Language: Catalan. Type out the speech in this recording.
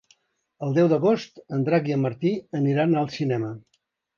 El deu d'agost en Drac i en Martí aniran al cinema.